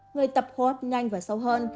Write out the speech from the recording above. người tập hô hấp nhanh và sâu hơn